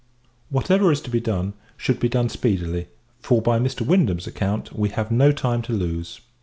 Whatever is to be done, should be done speedily; for, by Mr. Wyndham's account, we have no time to lose.